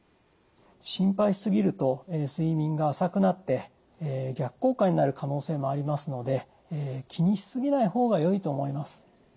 心配しすぎると睡眠が浅くなって逆効果になる可能性もありますので気にしすぎないほうが良いと思います。